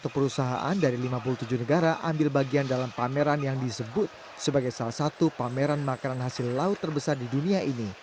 satu perusahaan dari lima puluh tujuh negara ambil bagian dalam pameran yang disebut sebagai salah satu pameran makanan hasil laut terbesar di dunia ini